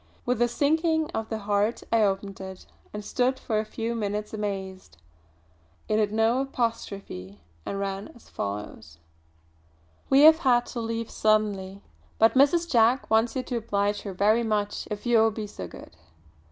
With a sinking of the heart I opened it, and stood for a few minutes amazed. It had no apostrophe and ran as follows: "We have had to leave suddenly, but Mrs. Jack wants you to oblige her very much if you will be so good.